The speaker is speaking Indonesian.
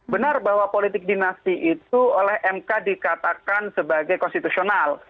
benar bahwa politik dinasti itu oleh mk dikatakan sebagai konstitusional